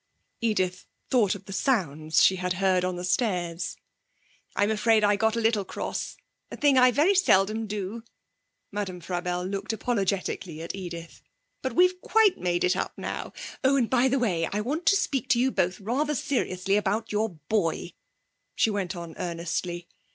(Edith thought of the sounds she had heard on the stairs.) 'I'm afraid I got a little cross. A thing I very seldom do.' Madame Frabelle looked apologetically at Edith. 'But we've quite made it up now! Oh, and by the way, I want to speak to you both rather seriously about your boy,' she went on earnestly.